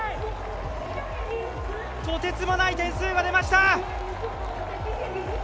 とてつもない点数が出ました！